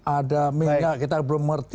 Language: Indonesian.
ada minyak kita belum mengerti